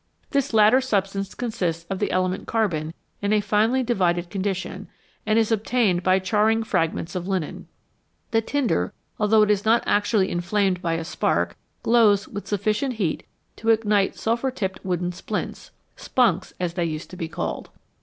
This latter substance consists of the element carbon in a finely divided condition, and is obtained by charring fragments of linen. The tinder, although it is not actually inflamed by a spark, glows with sufficient heat to ignite sulphur tipped wooden splints "spunks," as they used to be called.